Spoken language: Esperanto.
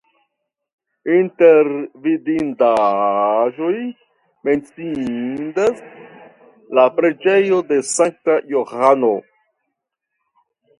Inter vidindaĵoj menciindas la preĝejo de Sankta Johano.